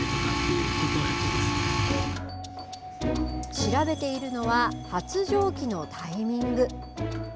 調べているのは発情期のタイミング。